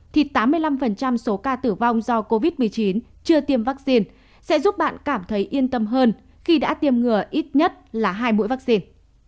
thì tám mươi năm số ca tử vong do covid một mươi chín chưa tiêm vắc xin sẽ giúp bạn cảm thấy yên tâm hơn khi đã tiêm ngừa ít nhất là hai mũi vắc xin